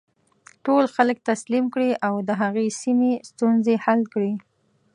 ټول خلک تسلیم کړي او د هغې سیمې ستونزې حل کړي.